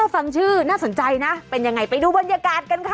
ฟังชื่อน่าสนใจนะเป็นยังไงไปดูบรรยากาศกันค่ะ